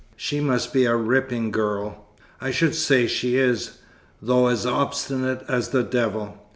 "She must be a ripping girl." "I should say she is! though as obstinate as the devil.